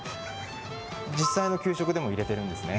実際の給食でも入れているんですね。